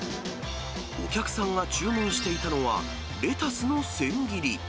お客さんが注文していたのは、レタスの千切り。